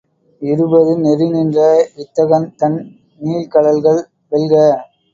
இருபது நெறிநின்ற வித்தகன்தன் நீள்கழல்கள் வெல்க!